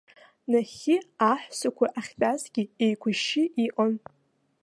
Нахьхьи аҳәсақәа ахьтәазгьы еиқәышьшьы иҟан.